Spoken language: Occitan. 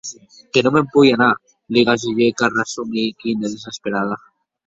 Que non me’n posqui anar, li gasulhèc a Rasumikhine, desesperada.